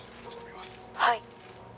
「はい」